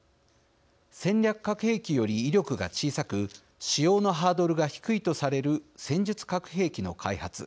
戦略核兵器より威力が小さく使用のハードルが低いとされる戦術核兵器の開発。